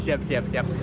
siap siap siap